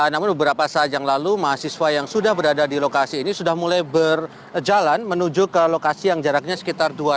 namun beberapa saat yang lalu mahasiswa yang sudah berada di lokasi ini sudah mulai berjalan menuju ke lokasi yang jaraknya sekitar dua meter